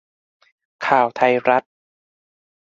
ข่าวไทยรัฐ